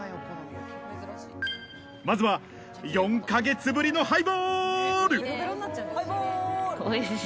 まずは４か月ぶりのハイボール！